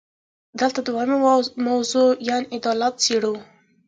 دلته دویمه موضوع یعنې عدالت څېړو.